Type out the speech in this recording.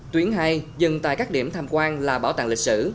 tuyến hai dừng tại các điểm tham quan là bảo tàng lịch sử